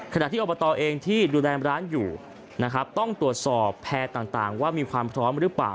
ที่อบตเองที่ดูแลร้านอยู่นะครับต้องตรวจสอบแพร่ต่างว่ามีความพร้อมหรือเปล่า